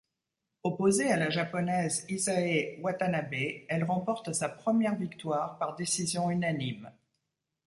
Opposée à la Japonaise Hisae Watanabe, elle remporte sa première victoire par décision unanime.